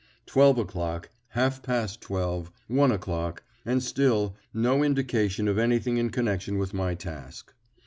Twelve o'clock half past twelve one o'clock and still no indication of anything in connection with my task.